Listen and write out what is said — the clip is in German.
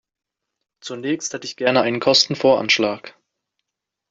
Zunächst hätte ich gerne einen Kostenvoranschlag.